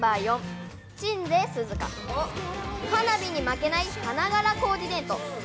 「花火に負けない花柄コーディネート。